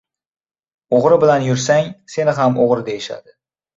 • O‘g‘ri bilan yursang, seni ham o‘g‘ri deyishadi.